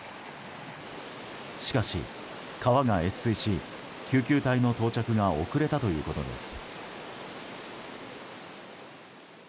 しかし川が越水し救急隊の到着が遅れたということです。